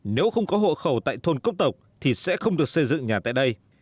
nếu không có hộ khẩu tại thôn cốc tộc thì sẽ không được xây dựng nhà tại đây